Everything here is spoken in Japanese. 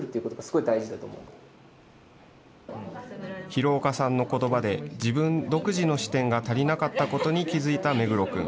廣岡さんのことばで、自分独自の視点が足りなかったことに気付いた目黒君。